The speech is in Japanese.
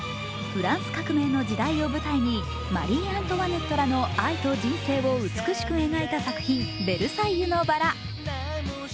フランス革命の時代を舞台に、マリー・アントワネットらの愛と人生を美しく描いた作品「ベルサイユのばら」。